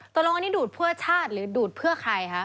ตรงนี้ดูดเพื่อชาติหรือดูดเพื่อใครคะ